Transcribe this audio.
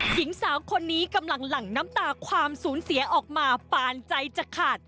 หญิงสาวคนนี้กำลังหลั่งน้ำตาความสูญเสียออกมาปานใจจะขาด